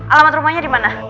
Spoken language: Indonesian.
alamat rumahnya dimana